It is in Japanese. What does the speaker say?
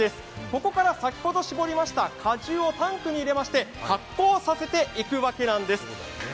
ここから先ほど絞りました果汁をタンクに入れまして発酵させていくわけなんです。